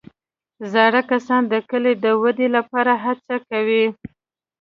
زاړه کسان د کلي د ودې لپاره هڅې کوي